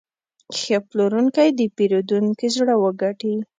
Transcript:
ښه پلورونکی د پیرودونکي زړه وګټي.